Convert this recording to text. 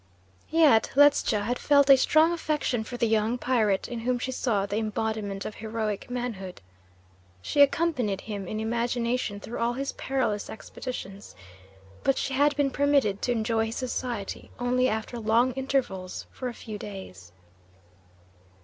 Yet Ledscha had felt a strong affection for the young pirate, in whom she saw the embodiment of heroic manhood. She accompanied him in imagination through all his perilous expeditions; but she had been permitted to enjoy his society only after long intervals for a few days.